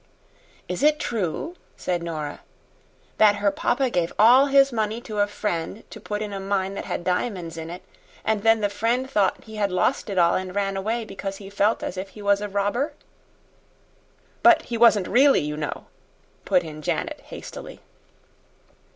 "Is it true," said Nora, "that her papa gave all his money to a friend to put in a mine that had diamonds in it, and then the friend thought he had lost it all and ran away because he felt as if he was a robber?" "But he wasn't really, you know," put in Janet, hastily.